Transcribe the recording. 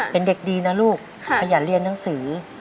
เป็นเด็กดีนะลูกขยันเรียนหนังสือ